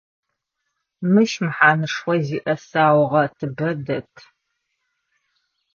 Мыщ мэхьанэшхо зиӏэ саугъэтыбэ дэт.